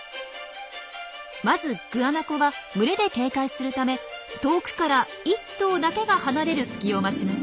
まずグアナコは群れで警戒するため遠くから１頭だけが離れる隙を待ちます。